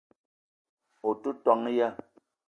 O te ton ya?